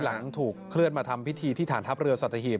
หลังถูกเคลื่อนมาทำพิธีที่ฐานทัพเรือสัตหีบ